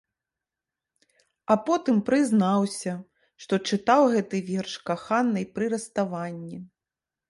А потым прызнаўся, што чытаў гэты верш каханай пры расставанні.